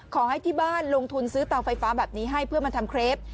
ขอให้ที่บ้านลงทุนซื้อเตาไฟฟ้าแบบนี้ให้เพื่อมาทำเครป